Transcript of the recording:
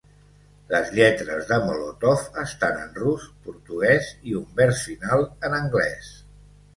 Les lletres de "Molotov" estan en rus, portuguès i un vers final en anglès.